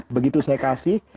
begitu saya kasih